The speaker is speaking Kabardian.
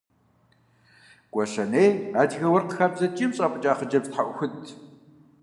Гуащэней адыгэ уэркъ хабзэ ткӀийм щӀапӀыкӀа хъыджэбз тхьэӀухудт.